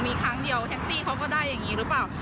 มีครั้งเดียวแท็กซี่เขาก็ได้อย่างนี้หรือเปล่า